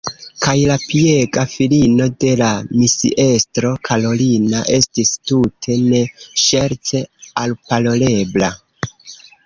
Kaj la piega filino de la misiestro, Karolina, estis tute ne ŝerce alparolebla.